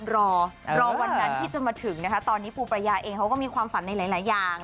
รอรอวันนั้นที่จะมาถึงนะคะตอนนี้ปูประยาเองเขาก็มีความฝันในหลายอย่าง